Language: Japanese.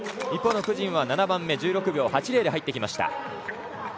一方のクジンは７番目１６秒８０で入ってきました。